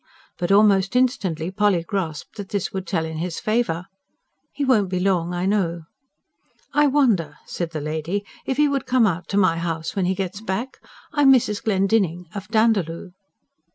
But almost instantly Polly grasped that this would tell in his favour. "He won't be long, I know." "I wonder," said the lady, "if he would come out to my house when he gets back? I am Mrs Glendinning of Dandaloo."